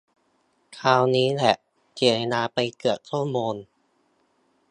คราวนี้แหละเสียเวลาไปเกือบชั่วโมง